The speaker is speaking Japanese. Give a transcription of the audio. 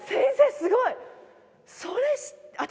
すごい！